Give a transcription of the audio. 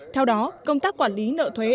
theo đó công tác quản lý nợ thuế